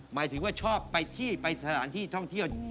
หมายถึงว่าชอบไปที่ไปสถานที่ท่องเที่ยว